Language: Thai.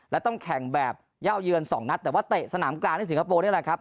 และต้องแข่งแบบเย่าเยือนสองนัดแต่ว่าเตะสนามกลางที่สิงคโปร์นี่แหละครับ